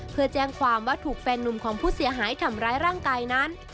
เพื่อแจ้งความว่าถูกแฟนนุ่มของผู้เสียหายทำร้ายร่างกายนั้น